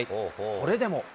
それでも。